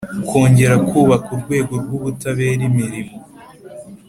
kongera kubaka urwego rw ubutabera imirimo